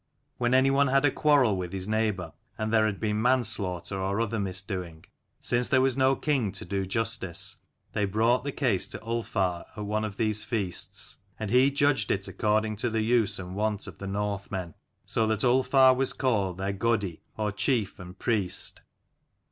When anyone had a quarrel with his neigh bour and there had been manslaughter or other misdoing, since there was no king to do justice they brought the case to Ulfar at one of these feasts, and he judged it according to the use and wont of the Northmen ; so that Ulfar was called their Godi, or chief and priest.